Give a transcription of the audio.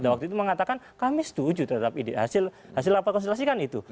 waktu itu mengatakan kami setuju terhadap hasil rapat konsultasi kan itu